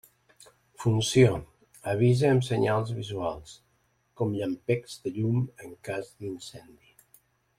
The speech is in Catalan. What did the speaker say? Funció: avisa amb senyals visuals, com llampecs de llum en cas d'incendi.